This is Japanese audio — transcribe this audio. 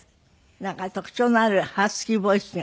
なんか特徴のあるハスキーボイスが。